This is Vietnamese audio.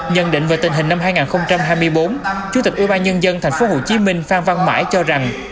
nhận định về tình hình năm hai nghìn hai mươi bốn chủ tịch ubnd tp hcm phan văn mãi cho rằng